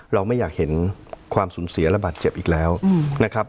เราไม่อยากเห็นความสูญเสียระบาดเจ็บอีกแล้วนะครับ